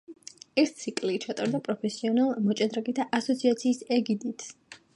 ეს ციკლი ჩატარდა პროფესიონალ მოჭადრაკეთა ასოციაციის ეგიდით.